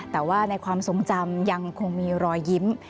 แต่ว่าในความทรงจำยังคงมีรอยยิ้ม